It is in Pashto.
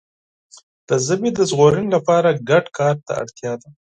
د ژبي د ژغورنې لپاره ګډ کار ته اړتیا ده.